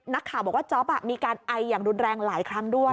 นักข่าวบอกว่าจ๊อปมีการไออย่างรุนแรงหลายครั้งด้วย